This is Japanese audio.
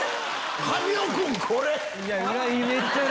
神尾君これ！